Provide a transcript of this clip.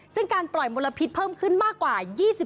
ซึ่งการปล่อยมลพิษเพิ่มขึ้นมากกว่า๒๕